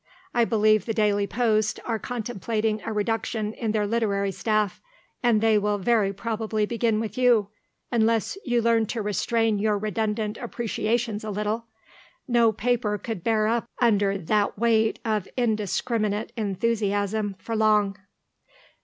I believe the Daily Post are contemplating a reduction in their literary staff, and they will very probably begin with you, unless you learn to restrain your redundant appreciations a little. No paper could bear up under that weight of indiscriminate enthusiasm for long."